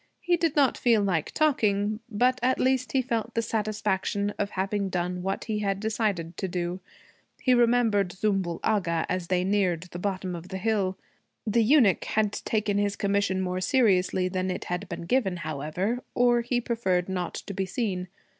He did not feel like talking, but at least he felt the satisfaction of having done what he had decided to do. He remembered Zümbül Agha as they neared the bottom of the hill. The eunuch had taken his commission more seriously than it had been given, however, or he preferred not to be seen.